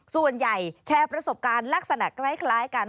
ส่วนใหญ่แชร์ประสบการณ์ลักษณะคล้ายกัน